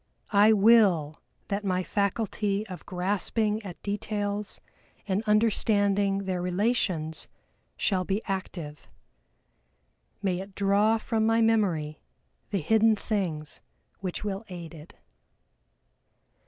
I will that my faculty of grasping at details and understanding their relations shall be active. May it draw from my memory the hidden things which will aid it!"